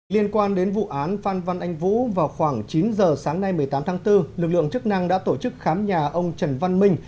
liên quan đến vụ án phan văn anh vũ vào khoảng chín giờ sáng nay một mươi tám tháng bốn lực lượng chức năng đã tổ chức khám nhà ông trần văn minh